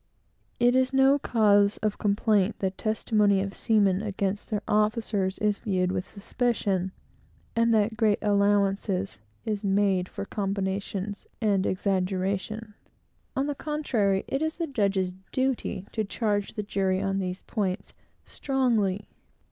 It is no cause of complaint that the testimony of seamen against their officers is viewed with suspicion, and that great allowance is made for combinations and exaggeration. On the contrary, it is the judge's duty to charge the jury on these points strongly.